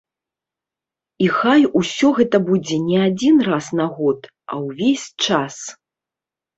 І хай усё гэта будзе не адзін раз на год, а ўвесь час!